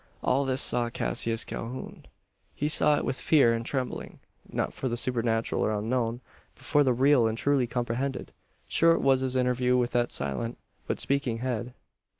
All this saw Cassius Calhoun. He saw it with fear and trembling. Not for the supernatural or unknown, but for the real and truly comprehended. Short was his interview with that silent, but speaking head.